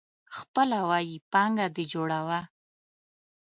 خپله ويي پانګه دي جوړوه.